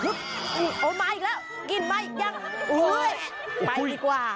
เอ้าอีกแล้วกินไหมอีกกว่า